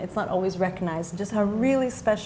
itu tidak selalu diperkenalkan